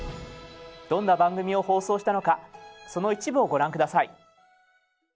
どんな番組を放送したのかその一部をご覧下さい。